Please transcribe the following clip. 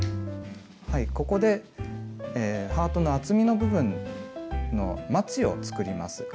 ここでハートの厚みの部分のまちを作ります。